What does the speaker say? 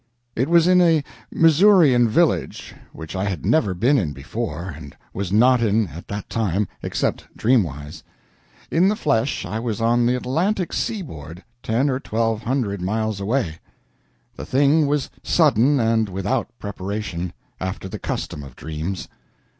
It was in a Missourian village which I had never been in before, and was not in at that time, except dream wise; in the flesh I was on the Atlantic seaboard ten or twelve hundred miles away. The thing was sudden, and without preparation after the custom of dreams.